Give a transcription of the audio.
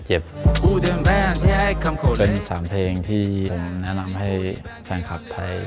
เป็น๓เพลงที่ผมแนะนำให้แฟนคลับไทย